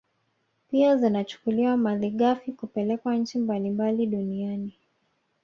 Pia zinachukuliwa malighafi kupelekwa nchi mbalimbali duniani